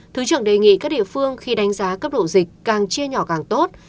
thứ trưởng đề nghị các địa phương khi đánh giá cấp độ dịch càng chia nhỏ càng tốt